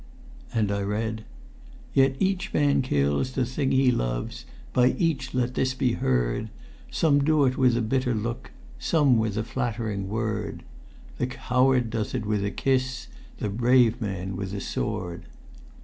And I read: "Yet each man kills the thing he loves, By each let this be heard, Some do it with a bitter look, Some with a flattering word, The coward does it with a kiss, The brave man with a sword!"